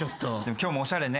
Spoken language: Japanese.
今日もおしゃれね。